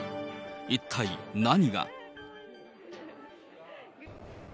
一体何が。